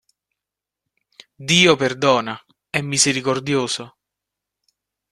Dio Perdona, è Misericordioso".